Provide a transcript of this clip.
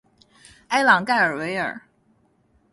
埃朗盖尔维尔。